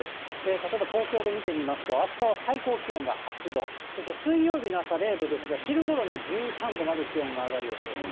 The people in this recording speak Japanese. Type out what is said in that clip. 例えば東京で見てみますと、あしたは最高気温が８度、そして水曜日の朝、０度ですが、昼頃に１３度まで気温が上がる予想です。